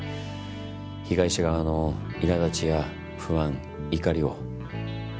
被害者側のいらだちや不安怒りを。